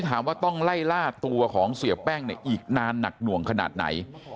ถามว่าต้องไล่ล่าตัวของเสียแป้งเนี่ยอีกนานหนักหน่วงขนาดไหน